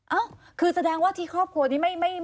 เอ้าคือแสดงว่าที่ครอบครัวนี้ไม่